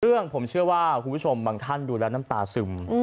เรื่องผมเชื่อว่าคุณผู้ชมบางท่านดูแล้วน้ำตาซึม